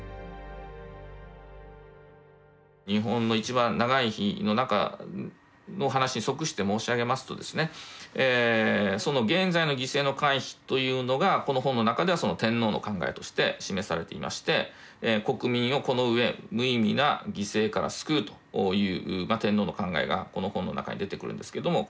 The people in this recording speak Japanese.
「日本のいちばん長い日」の中の話に即して申し上げますとですねというのがこの本の中では天皇の考えとして示されていまして国民をこの上無意味な犠牲から救うという天皇の考えがこの本の中に出てくるんですけども。